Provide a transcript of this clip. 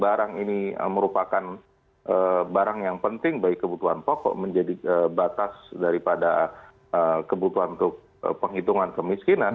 barang ini merupakan barang yang penting bagi kebutuhan pokok menjadi batas daripada kebutuhan untuk penghitungan kemiskinan